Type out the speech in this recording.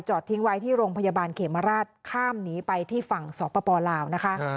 ทิ้งไว้ที่โรงพยาบาลเขมราชข้ามหนีไปที่ฝั่งสปลาวนะคะ